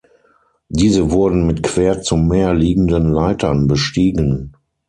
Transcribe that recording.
Diese wurden mit quer zum Meer liegenden Leitern bestiegen.